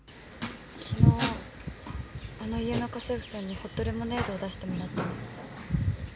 昨日あの家の家政婦さんにホットレモネードを出してもらったの。